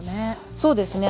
そうですね。